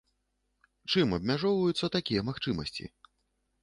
Чым абмяжоўваюцца такія магчымасці?